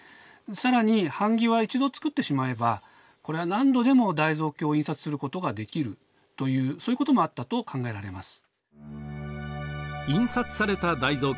更に版木は一度作ってしまえばこれは何度でも大蔵経を印刷することができるというそういうこともあったと考えられます。